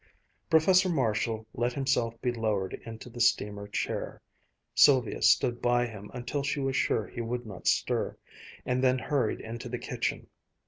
Professor Marshall let himself be lowered into the steamer chair. Sylvia stood by him until she was sure he would not stir, and then hurried into the kitchen.